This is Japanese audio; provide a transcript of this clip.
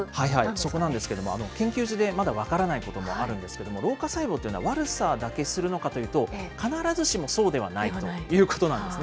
そこなんですけれども、研究中で、まだ分からないこともあるんですけれども、老化細胞というのは悪さだけするのかというと、必ずしもそうではないということなんですね。